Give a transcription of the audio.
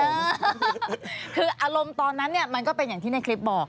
คืออารมณ์ตอนนั้นเนี่ยมันก็เป็นอย่างที่ในคลิปบอก